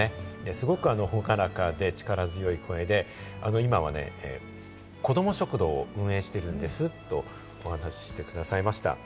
すごく朗らかで力強い声で、今はね、こども食堂を運営しているんですとお話してくださいました。